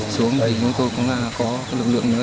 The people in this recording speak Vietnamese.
xuống thì chúng tôi cũng có lực lượng nữa